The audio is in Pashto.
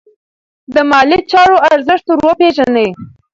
د مالي چارو ارزښت ور وپیژنئ.